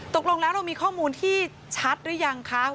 ตกลงแล้วเรามีข้อมูลที่ชัดหรือยังคะ